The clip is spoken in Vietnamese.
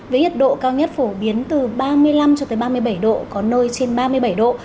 với nhiệt độ cao nhất phổ biến từ ba mươi năm cho tới ba mươi bảy độ có nơi trên ba mươi bảy độ